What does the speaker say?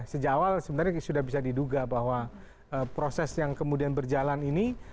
sejak awal sebenarnya sudah bisa diduga bahwa proses yang kemudian berjalan ini